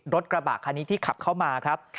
รถกระบะคันนี้ที่ขับเข้ามาครับ